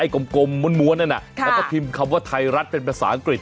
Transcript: กลมม้วนนั่นแล้วก็พิมพ์คำว่าไทยรัฐเป็นภาษาอังกฤษ